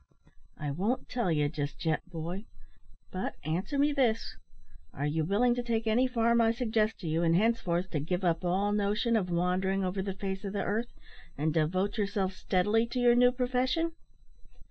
"I won't tell you just yet, boy. But answer me this. Are you willing to take any farm I suggest to you, and henceforth to give up all notion of wandering over the face of the earth, and devote yourself steadily to your new profession?"